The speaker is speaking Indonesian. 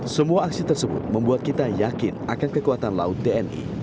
semua aksi tersebut membuat kita yakin akan kekuatan laut tni